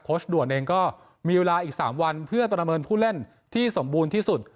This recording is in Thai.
ด่วนเองก็มีเวลาอีก๓วันเพื่อประเมินผู้เล่นที่สมบูรณ์ที่สุด